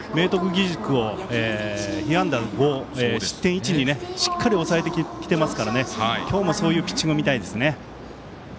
義塾を被安打５失点１にしっかり抑えてきていますから今日もそういうピッチングを見たいですね。